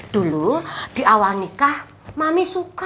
dulu di awal nikah mami suka